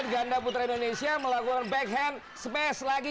kita lihat ganda putra indonesia melakukan backhand smash lagi